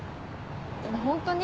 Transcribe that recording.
ホントに？